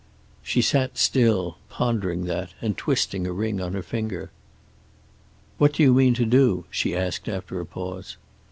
She sat still, pondering that, and twisting a ring on her finger. "What do you mean to do?" she asked, after a pause.